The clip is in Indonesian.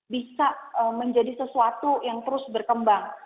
bisa menjadi sesuatu yang terus berkembang